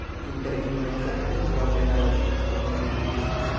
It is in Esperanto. Inter junio-septembro apenaŭ aŭ neniam pluvas.